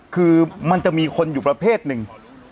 คือมันจะมีคนอยู่ประเภทหนึ่ง